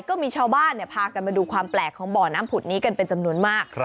ก็มีชาวบ้านพากันมาดูความแปลกของบ่อน้ำผุดนี้กันเป็นจำนวนมาก